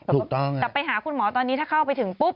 ถูกต้องแต่ไปหาคุณหมอตอนนี้ถ้าเข้าไปถึงปุ๊บ